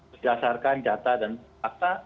berdasarkan data dan fakta